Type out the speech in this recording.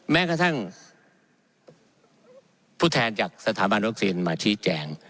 แม้กระทั่งผู้แทนจากสถาบันวัคซีนมาชี้แจง